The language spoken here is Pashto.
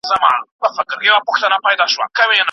مور د پي پي پي له ناروغۍ څخه ژر نه پوهېږي.